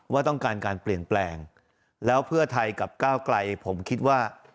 ว่าต้องการการเปลี่ยนแปลงแล้วเพื่อไทยกับก้าวไกลผมคิดว่า